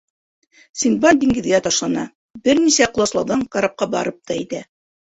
Синдбад диңгеҙгә ташлана, бер нисә ҡоласлауҙан карапҡа барып та етә.